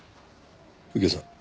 右京さん